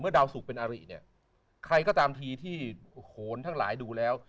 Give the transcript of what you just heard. ดาวสุกเป็นอาริเนี่ยใครก็ตามทีที่โหนทั้งหลายดูแล้ว